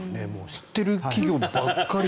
知っている企業ばっかり。